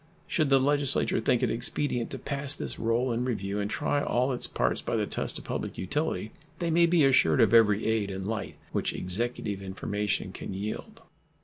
Should the Legislature think it expedient to pass this roll in review and try all its parts by the test of public utility, they may be assured of every aid and light which Executive information can yield.